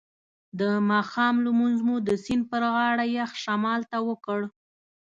د ماښام لمونځ مو د سیند پر غاړه یخ شمال ته وکړ.